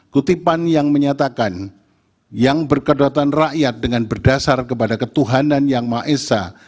kutipan yang menyatakan yang berkedotan rakyat dengan berdasar kepada ketuhanan yang maha esa